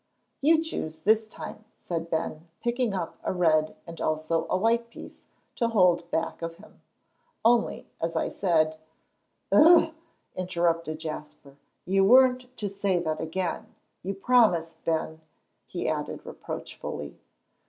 "You choose this time," said Ben, picking up a red and also a white piece, to hold back of him, "only, as I said " "Ugh!" interrupted Jasper, "you weren't to say that again. You promised, Ben," he added reproachfully.